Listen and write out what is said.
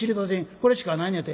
これしかないんやて」。